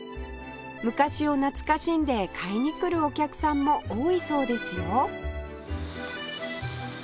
昔を懐かしんで買いに来るお客さんも多いそうですよ